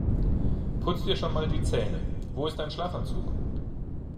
Putz dir schon mal die Zähne. Wo ist dein Schlafanzug?